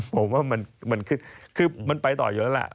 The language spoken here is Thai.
ผมว่ามันคือมันไปต่ออยู่แล้วล่ะ